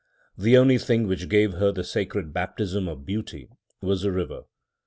The only thing which gave her the sacred baptism of beauty was the river.